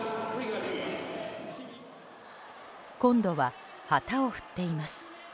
今度は旗を振っています。